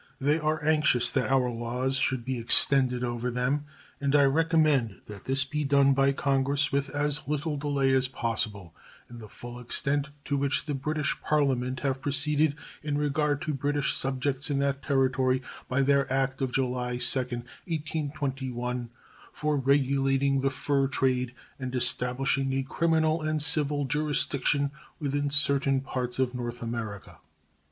They are anxious that our laws should be extended over them, and I recommend that this be done by Congress with as little delay as possible in the full extent to which the British Parliament have proceeded in regard to British subjects in that Territory by their act of July 2, 1821, "for regulating the fur trade and establishing a criminal and civil jurisdiction within certain parts of North America."